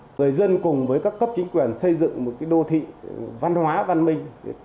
người dân cùng với các cấp chính quyền xây dựng một đô thị văn hóa văn minh